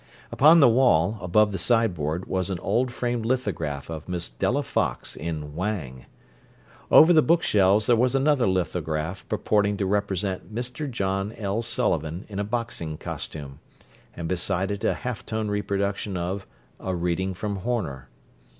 Upon the wall, above the sideboard, was an old framed lithograph of Miss Della Fox in "Wang"; over the bookshelves there was another lithograph purporting to represent Mr. John L. Sullivan in a boxing costume, and beside it a halftone reproduction of "A Reading From Horner."